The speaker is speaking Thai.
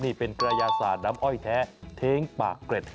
นี่เป็นกระยาศาสตร์น้ำอ้อยแท้เท้งปากเกร็ด